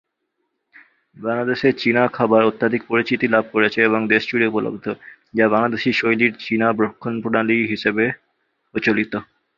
বাংলাদেশে চীনা খাবার অত্যধিক পরিচিতি লাভ করেছে এবং দেশজুড়ে উপলব্ধ, যা বাংলাদেশি-শৈলীর চীনা রন্ধনপ্রণালী হিসেবে প্রচলিত।